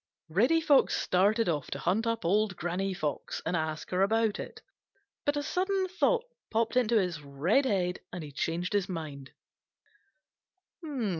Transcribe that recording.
Reddy Fox started off to hunt up Old Granny Fox and ask her about it. But a sudden thought popped into his red head, and he changed his mind.